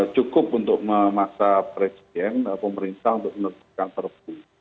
cukup untuk memaksa presiden pemerintah untuk menerbitkan perpu